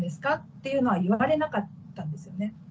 っていうのは言われなかったんですよね。